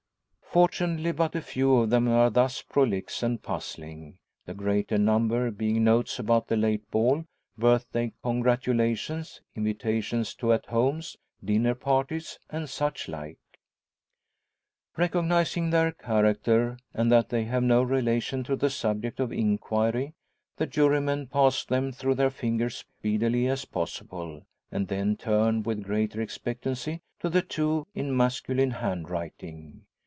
Fortunately, but a few of them are thus prolix and puzzling; the greater number being notes about the late ball, birthday congratulations, invitations to "at homes," dinner parties, and such like. Recognising their character, and that they have no relation to the subject of inquiry, the jurymen pass them through their fingers speedily as possible, and then turn with greater expectancy to the two in masculine handwriting.